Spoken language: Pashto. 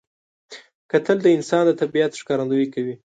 کتل د انسان د طبیعت ښکارندویي کوي